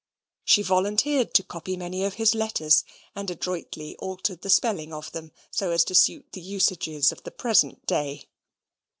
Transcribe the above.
She volunteered to copy many of his letters, and adroitly altered the spelling of them so as to suit the usages of the present day.